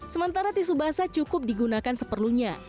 sementara tisu basah cukup digunakan seperlunya